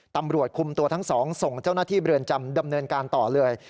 ตำรวจคุมตัวทั้งสองส่งเจ้าหน้าที่เรือนจำดำเนินการต่อเลย